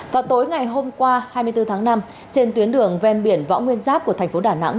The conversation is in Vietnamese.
vào tối ngày hôm qua hai mươi bốn tháng năm trên tuyến đường ven biển võ nguyên giáp của thành phố đà nẵng